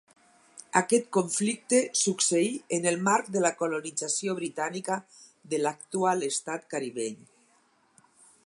Aquest conflicte succeí en el marc de la colonització britànica de l'actual estat caribeny.